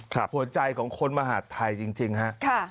ครับหัวใจของคนมหาธัยจริงฮะค่ะ